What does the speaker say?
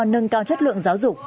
nâng cao chất lượng giáo dục